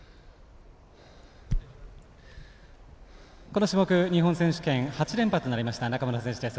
この種目、日本選手権８連覇となりました中村選手です。